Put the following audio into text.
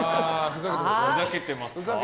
ふざけてますね。